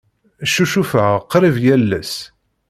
Ccucufeɣ qrib yal ass.